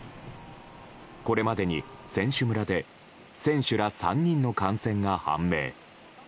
これまでに選手村で選手ら３人の感染が判明。